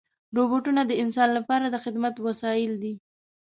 روبوټونه د انسان لپاره د خدمت وسایل دي.